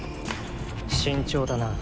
慎重だな。